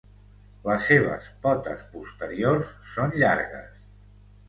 Les seves potes posteriors són llargues.